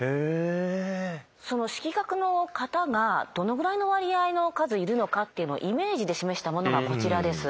その色覚の型がどのぐらいの割合の数いるのかっていうのをイメージで示したものがこちらです。